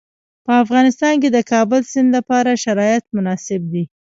په افغانستان کې د کابل سیند لپاره شرایط مناسب دي.